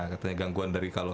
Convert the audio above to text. katanya gangguan dari kalau